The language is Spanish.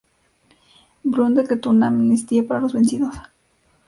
Blount decretó una amnistía para los vencidos.